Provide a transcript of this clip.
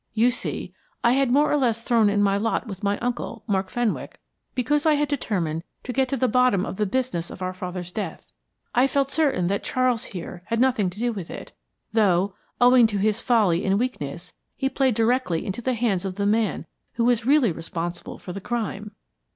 You see, I had more or less thrown in my lot with my uncle, Mark Fenwick, because I had determined to get to the bottom of the business of our father's death. I felt certain that Charles here had nothing to do with it; though, owing to his folly and weakness, he played directly into the hands of the man who was really responsible for the crime."